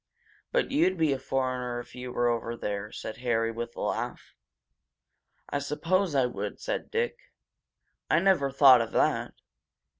"But you'd be a foreigner if you were over there!" said Harry, with a laugh. "I suppose I would," said Dick. "I never thought of that!